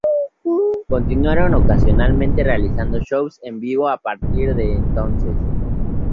Continuaron ocasionalmente realizando shows en vivo a partir de entonces.